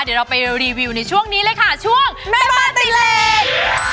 เดี๋ยวเราไปรีวิวในช่วงนี้เลยค่ะช่วงแม่บ้านตีเลน